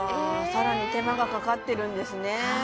更に手間がかかってるんですね